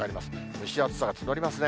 蒸し暑さが募りますね。